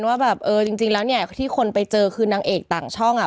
ว่าแบบเออจริงแล้วเนี่ยที่คนไปเจอคือนางเอกต่างช่อง